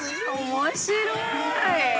面白い。